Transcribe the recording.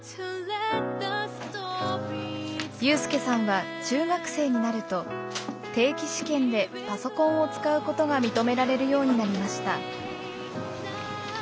有さんは中学生になると定期試験でパソコンを使うことが認められるようになりました。